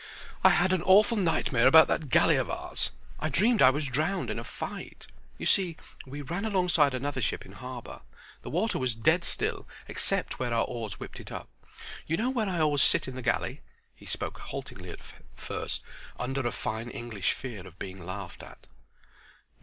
"I had an awful nightmare about that galley of ours. I dreamed I was drowned in a fight. You see we ran alongside another ship in harbor. The water was dead still except where our oars whipped it up. You know where I always sit in the galley?" He spoke haltingly at first, under a fine English fear of being laughed at. "No.